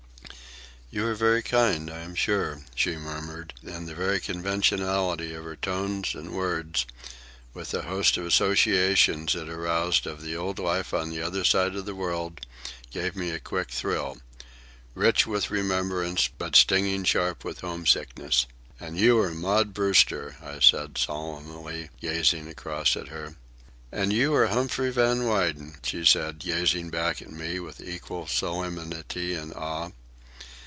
"You are very kind, I am sure," she murmured; and the very conventionality of her tones and words, with the host of associations it aroused of the old life on the other side of the world, gave me a quick thrill—rich with remembrance but stinging sharp with home sickness. "And you are Maud Brewster," I said solemnly, gazing across at her. "And you are Humphrey Van Weyden," she said, gazing back at me with equal solemnity and awe.